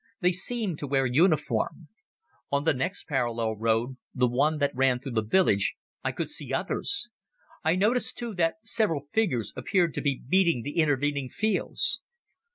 They seemed to wear uniform. On the next parallel road, the one that ran through the village, I could see others. I noticed, too, that several figures appeared to be beating the intervening fields.